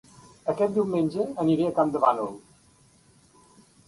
Aquest diumenge aniré a Campdevànol